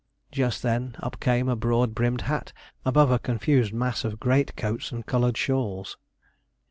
Just then up came a broad brimmed hat, above a confused mass of greatcoats and coloured shawls.